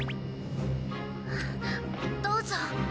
「どうぞ」